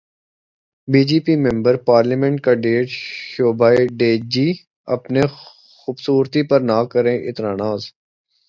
be J P member parliament کا tweet, Shobha De ji, اپنی خوبصورتی پر نہ کریں اتنا ناز